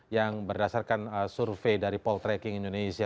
yang berdasarkan survei dari poltreking indonesia